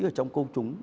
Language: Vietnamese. ở trong công chúng